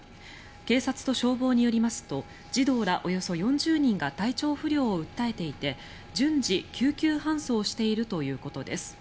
警察と消防によりますと児童らおよそ４０人が体調不良を訴えていて順次、救急搬送しているということです。